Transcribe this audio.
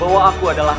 bahwa aku adalah